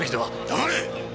黙れ！